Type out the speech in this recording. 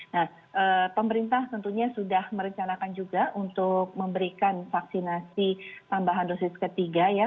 nah pemerintah tentunya sudah merencanakan juga untuk memberikan vaksinasi tambahan dosis ketiga ya